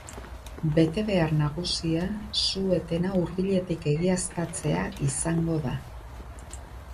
Betebehar nagusia su-etena hurbiletik egiaztatzea izango da.